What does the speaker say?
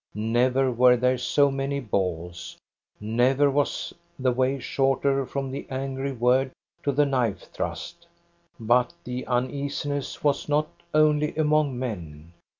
Never were there so many balls ; never was the way shorter front the angry word to the knife thrust. But the uneasiness was not only among men.